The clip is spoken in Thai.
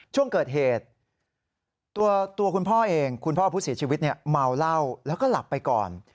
ช่วงเกิดเหตุตัวคุณพ่อเองคุณพ่อผู้เสียชีวิตเมาเหล้าแล้วก็หลับไปก่อน